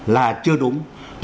là chưa đúng